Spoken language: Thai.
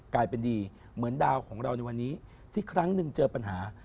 กลายเป็นดีเหมือนดาวของเราในวันนี้ที่ครั้งหนึ่งเจอปัญหา